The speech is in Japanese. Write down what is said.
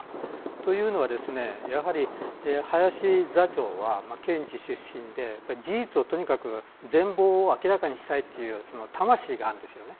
というのは、やはり林座長は検事出身で、事実をとにかく全貌を明らかにしたいという魂があるんですよね。